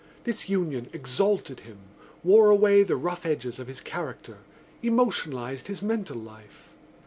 This union exalted him, wore away the rough edges of his character, emotionalised his mental life.